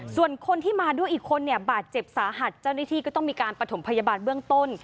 ส่วนคนที่มาด้วยอีกคนเนี่ยบาดเจ็บสาหัสเจ้าหน้าที่ก็ต้องมีการประถมพยาบาลเบื้องต้น